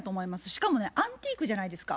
しかもねアンティークじゃないですか。